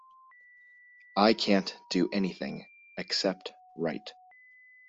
I can't do anything, except write.